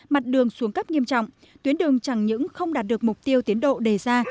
mặt đường xuống cấp nghiêm trọng tuyến đường chẳng những không đạt được mục tiêu tiến độ đề ra